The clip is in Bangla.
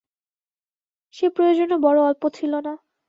সে প্রয়োজনও বড়ো অল্প ছিল না।